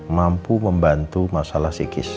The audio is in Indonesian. mampu membantu masalah psikis